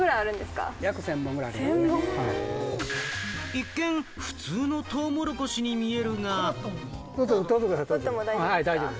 一見、普通のトウモロコシに見えるが。